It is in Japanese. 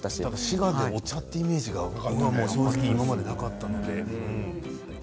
滋賀県、お茶というイメージが正直、今までなかった。